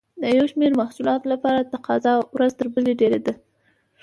د یو شمېر محصولاتو لپاره تقاضا ورځ تر بلې ډېرېده.